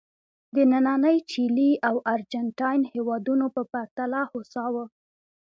د نننۍ چیلي او ارجنټاین هېوادونو په پرتله هوسا وو.